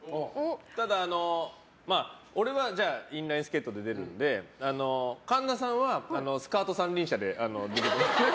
ただ、俺はインラインスケートで出るんで神田さんはスカート三輪車で。